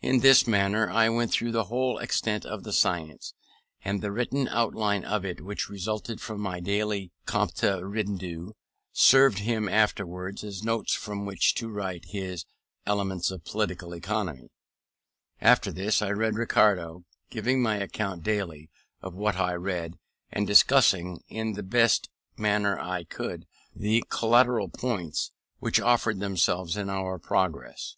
In this manner I went through the whole extent of the science; and the written outline of it which resulted from my daily compte rendu, served him afterwards as notes from which to write his Elements of Political Economy. After this I read Ricardo, giving an account daily of what I read, and discussing, in the best manner I could, the collateral points which offered themselves in our progress.